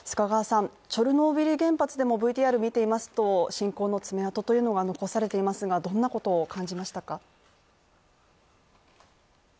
チョルノービリ原発でも、ＶＴＲ見ていますと侵攻の爪痕が残されていますがどんなことを感じましたか？